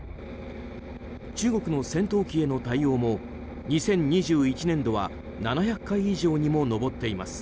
中国の戦闘機への対応も２０２１年度は７００回以上にも上っています。